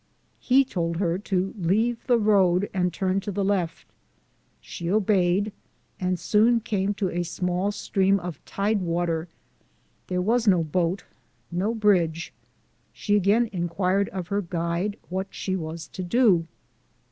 He told her to leave the road, and turn to the left ; she obeyed, and soon came to a small stream of tide water; there was no boat, no bridge ; she again inquired of her Guide what she was to do.